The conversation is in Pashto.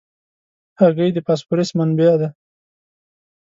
هګۍ د فاسفورس منبع ده.